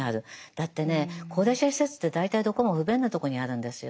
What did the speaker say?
だってね高齢者施設って大体どこも不便なとこにあるんですよ。